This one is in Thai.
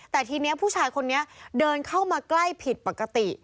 แต่ทีนี้ผู้ชายคนนี้เดินเข้ามาใกล้ผิดปกติ